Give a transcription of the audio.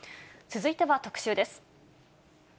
続いては特集です。